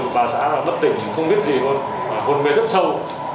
bà xã mất tỉnh không biết gì luôn hôn mê rất sâu